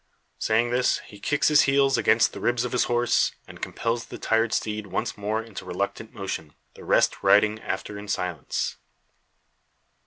Saying this, he kicks his heels against the ribs of his horse, and compels the tired steed once more into reluctant motion, the rest riding after in silence.